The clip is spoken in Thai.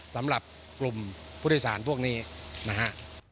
สำหรับกลุ่มผู้โดยสารพวกนี้นะฮะ